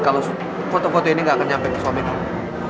kalau foto foto ini gak akan nyampe ke suami kamu